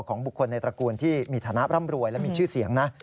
ของบุคคลในตระกูลที่มีฐานะร่ำรวยและมีชื่อเสียงนะ